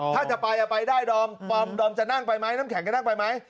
ถ้าจะไปไปได้ดอมดอมจะนั่งไปไหมน้ำแข็งจะนั่งไปไหม